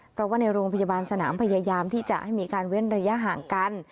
เพราะว่าในโรงพยาบาลสนามพยายามที่จะให้มีการเว้นระยะห่างกัน